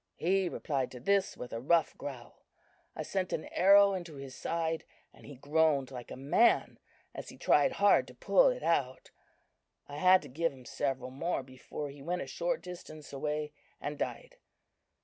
"He replied to this with a rough growl. I sent an arrow into his side, and he groaned like a man as he tried hard to pull it out. I had to give him several more before he went a short distance away, and died.